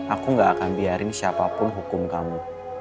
aku gak akan biarin siapapun hukum kamu